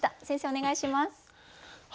先生お願いします。